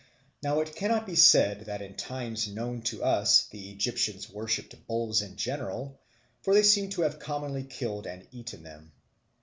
Now, it cannot be said that in the times known to us the Egyptians worshipped bulls in general, for they seem to have commonly killed and eaten them.